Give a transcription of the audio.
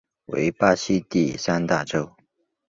为巴西第三大州。